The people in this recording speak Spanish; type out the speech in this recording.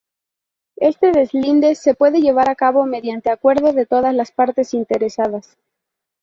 Este deslinde se puede llevar a cabo mediante acuerdo de todas las partes interesadas.